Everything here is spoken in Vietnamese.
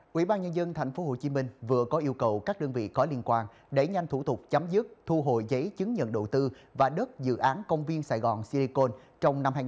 quỹ ban nhân dân tp hcm vừa có yêu cầu các đơn vị có liên quan đẩy nhanh thủ tục chấm dứt thu hồi giấy chứng nhận đầu tư và đất dự án công viên sài gòn silicon trong năm hai nghìn hai mươi